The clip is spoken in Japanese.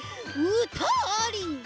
うたあり！